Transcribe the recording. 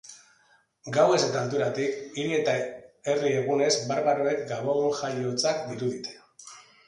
Gauez eta altueratik, hiri eta herri egunez barbaroek gabonjaiotzak dirudite.